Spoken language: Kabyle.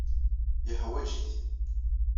Yeḥwaj-it.